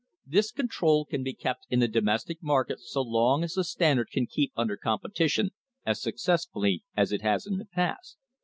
This control can be kept in the domestic markets so long as the Standard can keep under competition as successfully as it has in the past.